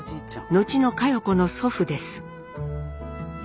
後の佳代子の祖父です。